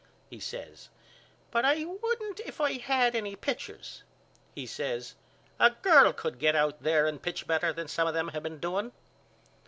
He says But I wouldn't if I had any pitchers. He says A girl could get out there and pitch better than some of them have been doing.